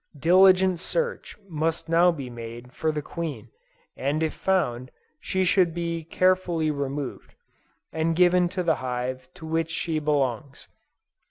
Diligent search must now be made for the Queen, and if found, she should be carefully removed, and given to the hive to which she belongs.